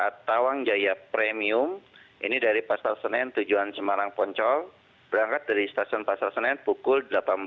lalu ada ka tawang jaya premium ini dari pasar senen tujuan semarang poncol berangkat dari stasiun pasar senen pukul delapan belas empat puluh lima